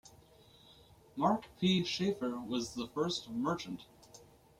Mark P. Sheffer was the first merchant.